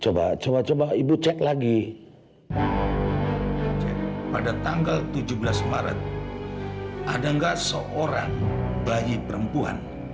coba coba ibu cek lagi pada tanggal tujuh belas maret ada nggak seorang bayi perempuan